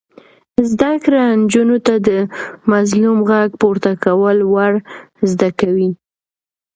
زده کړه نجونو ته د مظلوم غږ پورته کول ور زده کوي.